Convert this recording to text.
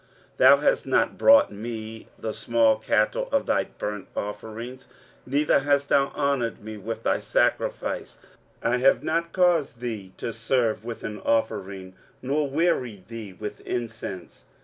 23:043:023 Thou hast not brought me the small cattle of thy burnt offerings; neither hast thou honoured me with thy sacrifices. I have not caused thee to serve with an offering, nor wearied thee with incense.